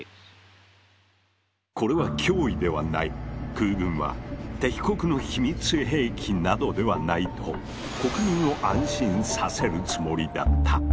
空軍は敵国の秘密兵器などではないと国民を安心させるつもりだった。